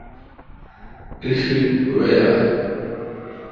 ایشی وی یال۔